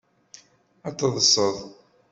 Ad teḍṣeḍ.